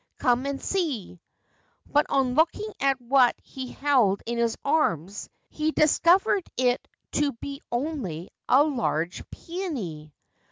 Come and see !' But on looking at what he held in his arms he discovered it to be only a large peony